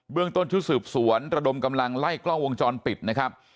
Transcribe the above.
เรื่องต้นชุดสืบสวนระดมกำลังไล่กล้องวงจรปิดนะครับ